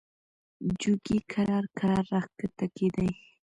جوګي کرار کرار را کښته کېدی.